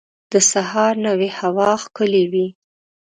د سهار نوی هوا ښکلی وي.